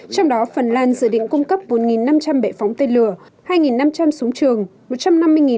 trong đó phần lan dự định cung cấp một năm trăm linh bệ phóng tên lửa hai năm trăm linh súng trường